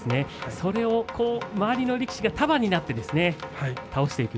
それを周りの力士が束になって倒していく